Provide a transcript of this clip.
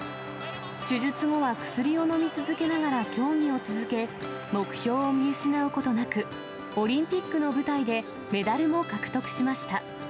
手術後は薬を飲み続けながら競技を続け、目標を見失うことなく、オリンピックの舞台でメダルも獲得しました。